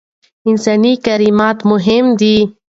انساني کرامت مهم دی.